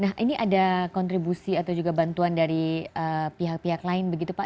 nah ini ada kontribusi atau juga bantuan dari pihak pihak lain begitu pak